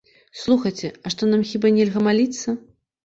Слухайце, а што, нам хіба нельга маліцца?